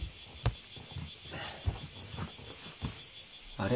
あれ？